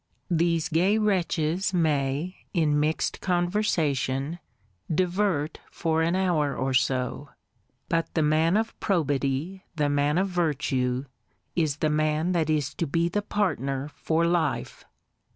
These gay wretches may, in mixed conversation, divert for an hour, or so: but the man of probity, the man of virtue, is the man that is to be the partner for life.